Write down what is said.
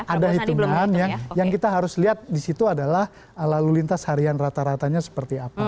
ada hitungan yang kita harus lihat di situ adalah lalu lintas harian rata ratanya seperti apa